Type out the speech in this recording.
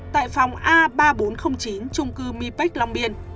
tại phòng a ba nghìn bốn trăm linh chín trung cư mi bách long biên